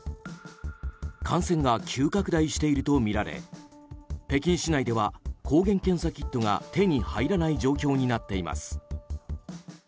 感染が急拡大しているとみられ北京市内では抗原検査キットが手に入らない状況になっています。